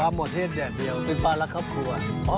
หมดเทศแดดเดียวเป็นปลารักครอบครัว